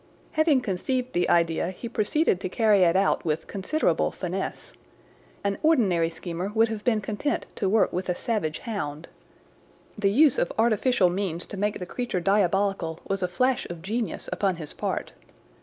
"Having conceived the idea he proceeded to carry it out with considerable finesse. An ordinary schemer would have been content to work with a savage hound. The use of artificial means to make the creature diabolical was a flash of genius upon his part.